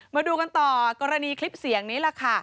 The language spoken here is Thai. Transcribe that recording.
มาดูกันต่อกรณีคลิปเสียงนี้ล่ะค่ะ